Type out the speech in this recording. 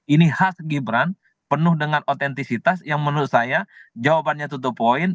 ini khas gibran penuh dengan otentisitas yang menurut saya jawabannya to point